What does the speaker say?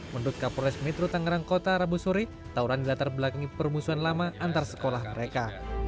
menurut kapolres metro tangerang kota rabu sore tauran dilatar belakangi permusuhan lama antar sekolah mereka